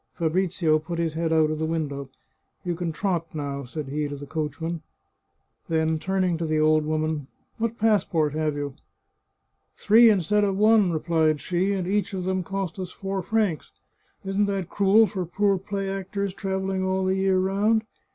Fabrizio put his head out of the window. " You can trot now," said he to the coachman. Then, turning to the old woman, " What passport have you ?"" Three instead of one," replied she, " and each of them cost us four francs. Isn't that cruel for poor play actors, travelling all the year round